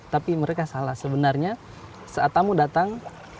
tapi mereka salah sebenarnya saat tamu datang